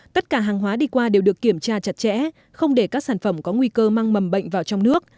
tất cả hàng hóa đi qua đều được kiểm tra chặt chẽ không để các sản phẩm có nguy cơ mang mầm bệnh vào trong nước